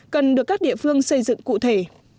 cần được các địa phương xây dựng cụ thể